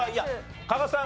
加賀さん